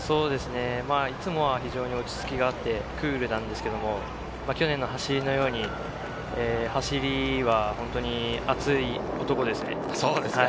いつもは非常に落ち着きがあってクールなんですけれど、去年の走りのように走りは熱い男です。